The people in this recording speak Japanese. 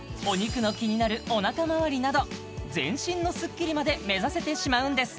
お肉のキニナルおなかまわりなど全身のスッキリまで目指せてしまうんです